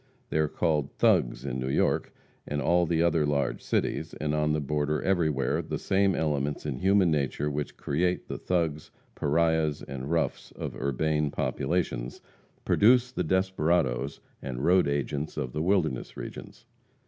They are called "thugs" in New York and all the other large cities; and on the border everywhere, the same elements in human nature which create "the thugs, pariahs and roughs," of the urbane populations, produce the desperadoes and road agents of the wilderness regions.